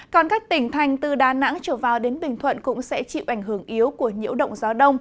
còn các tỉnh thành từ đà nẵng trở vào đến bình thuận cũng sẽ chịu ảnh hưởng yếu của nhiễu động gió đông